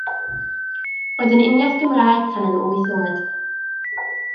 Roedd yn uniaith Gymraeg tan yn wyth oed.